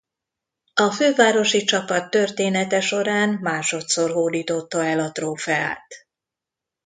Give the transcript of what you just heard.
A fővárosi csapat története során másodszor hódította el a trófeát.